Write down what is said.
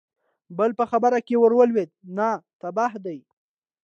بل په خبره کې ور ولوېد: نه، تباهي ده!